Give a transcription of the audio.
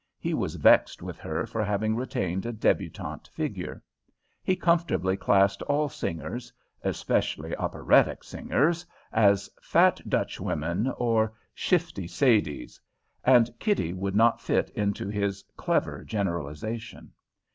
He was vexed with her for having retained a débutante figure. He comfortably classed all singers especially operatic singers as "fat Dutchwomen" or "shifty Sadies," and Kitty would not fit into his clever generalization.